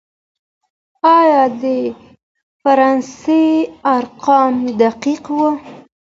آيا د فرانسې ارقام دقيق وو؟